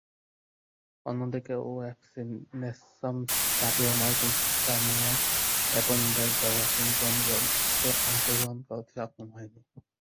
অন্যদিকে, OFC nations কাপেও মার্কিন সামোয়া এপর্যন্ত একবারও অংশগ্রহণ করতে সক্ষম হয়নি।